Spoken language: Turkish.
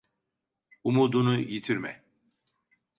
Umudunu yitirme.